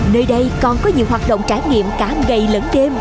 nơi đây còn có nhiều hoạt động trải nghiệm cả ngày lẫn đêm